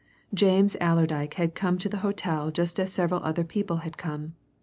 James Allerdyke had come to the hotel just as several other people had come.